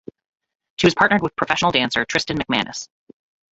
She was partnered with professional dancer Tristan MacManus.